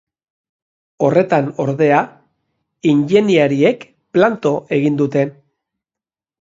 Horretan ordea, ingeniariek planto egin dute.